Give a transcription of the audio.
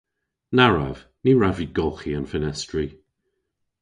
Na wrav! Ny wrav vy golghi an fenestri.